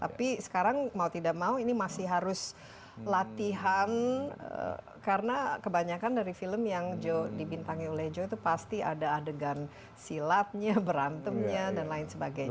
tapi sekarang mau tidak mau ini masih harus latihan karena kebanyakan dari film yang joe dibintangi oleh joe itu pasti ada adegan silatnya berantemnya dan lain sebagainya